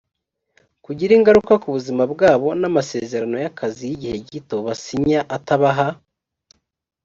kugira ingaruka ku buzima bwabo n amasezerano y akazi y igihe gito basinya atabaha